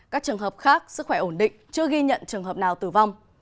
các trường hợp khác sức khỏe ổn định chưa ghi nhận trường hợp nào tử vong